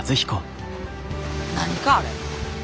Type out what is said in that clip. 何かあれ。